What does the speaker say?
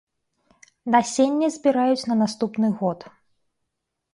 Насенне збіраюць на наступны год.